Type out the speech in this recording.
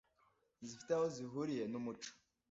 zifite aho zihuriye n'umuco